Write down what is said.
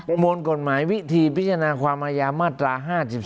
มวลกฎหมายวิธีพิจารณาความอายามาตรา๕๔